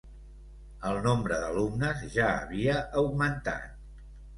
El nombre d'alumnes ja havia augmentat.